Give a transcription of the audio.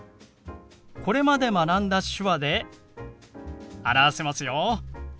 これまで学んだ手話で表せますよ。